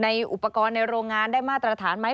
อุปกรณ์ในโรงงานได้มาตรฐานไหม